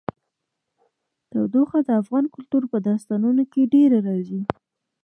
تودوخه د افغان کلتور په داستانونو کې ډېره راځي.